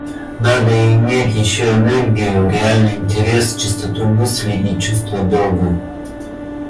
Надо иметь ещё энергию, реальный интерес, чистоту мысли и чувство долга.